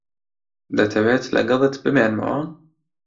دەتەوێت لەگەڵت بمێنمەوە؟